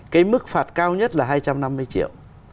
cái mức phạt cao nhất là hai trăm năm mươi triệu